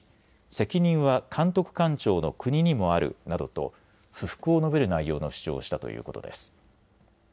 責任は監督官庁の国にもあるなどと不服を述べる内容の主張したということです。